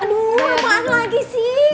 aduh apaan lagi sih